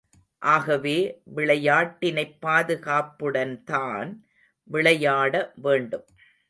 ஆகவே, விளையாட்டினைப் பாதுகாப்புடன்தான் விளையாட வேண்டும்.